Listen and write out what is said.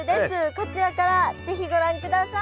こちらから是非ご覧ください。